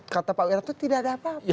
kata pak wiranto tidak ada apa apa